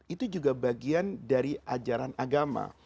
itu juga bagian dari ajaran agama